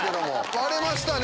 割れましたね！